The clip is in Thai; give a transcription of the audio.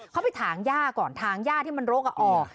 เขาไปถางหญ้าก่อนถางหญ้าที่มันโรคออกออก